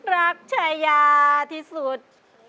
รักชายาที่สุด